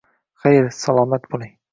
Xayr, salomat bo‘ling.